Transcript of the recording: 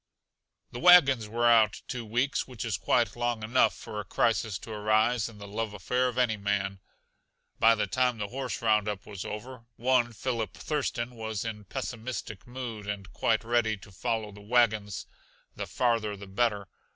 The wagons were out two weeks which is quite long enough for a crisis to arise in the love affair of any man. By the time the horse roundup was over, one Philip Thurston was in pessimistic mood and quite ready to follow the wagons, the farther the better.